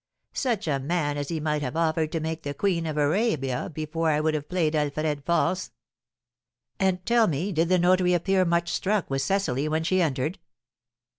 Such a man as he might have offered to make me Queen of Arabia before I would have played Alfred false." "And tell me, did the notary appear much struck with Cecily when she entered?"